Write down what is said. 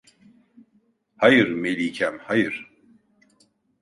Hayır, melikem hayır…